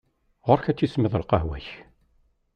Ɣur-k ad tismiḍ lqahwa-k!